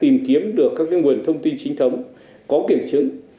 vẫn là địa chỉ tiêm cậy để độc giả tìm kiếm được các nguồn thông tin chính thống có kiểm chứng